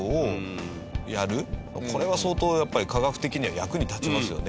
これは相当やっぱり科学的には役に立ちますよね。